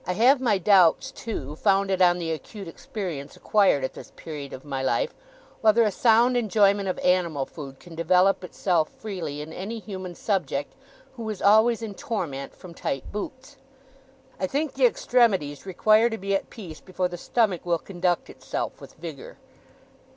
I have my doubts, too, founded on the acute experience acquired at this period of my life, whether a sound enjoyment of animal food can develop itself freely in any human subject who is always in torment from tight boots. I think the extremities require to be at peace before the stomach will conduct itself with vigour.